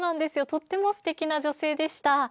とてもすてきな女性でした。